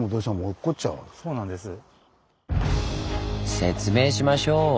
説明しましょう！